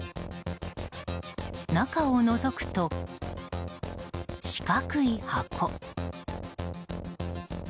中をのぞくと、四角い箱。